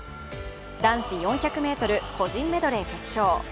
男子４００ｍ個人メドレー決勝。